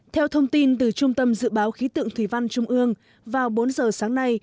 theo thông tin từ trung tâm dự báo khí tượng thủy văn trung ương vào bốn giờ sáng nay